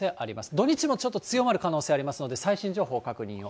土日もちょっと強まる可能性ありますので、最新情報、確認を。